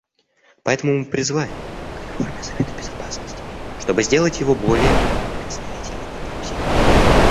Поэтому мы призываем к реформе Совета Безопасности, чтобы сделать его более представительным и инклюзивным.